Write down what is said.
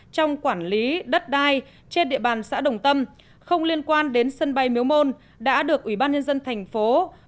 trong quản lý đất đai trên địa bàn xã đồng tâm không liên quan đến sân bay miếu môn đã được ủy ban nhân dân thành phố